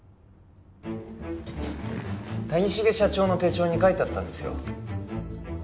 谷繁社長の手帳に書いてあったんですよ